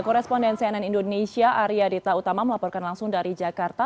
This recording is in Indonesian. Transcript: koresponden cnn indonesia arya dita utama melaporkan langsung dari jakarta